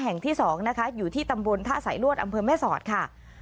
ที่สองนะคะอยู่ที่ตำบลท่าสายลวดอำเภอแม่สอดค่ะ